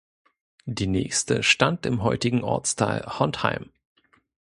Die nächste stand im heutigen Ortsteil Hontheim.